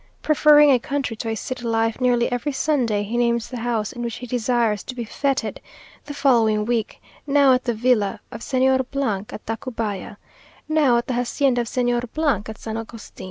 Preferring a country to a city life, nearly every Sunday he names the house in which he desires to be fêted the following week now at the villa of Señor at Tacubaya now at the hacienda of Señor at San Agustin.